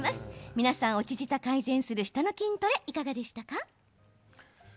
皆さん、落ち舌を改善する舌の筋トレ、いかがでしたか？